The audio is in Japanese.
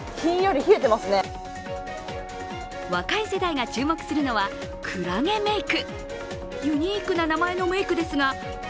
若い世代が注目するのはくらげメイク。